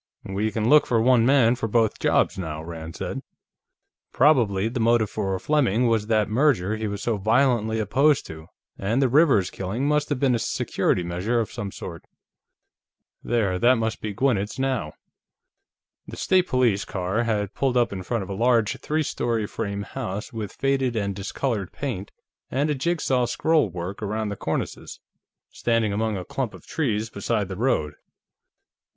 "We can look for one man for both jobs, now," Rand said. "Probably the motive for Fleming was that merger he was so violently opposed to, and the Rivers killing must have been a security measure of some sort. There; that must be Gwinnett's, now." The State Police car had pulled up in front of a large three story frame house with faded and discolored paint and jigsaw scrollwork around the cornices, standing among a clump of trees beside the road.